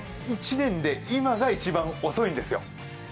一年で今が一番、遅いんですよ。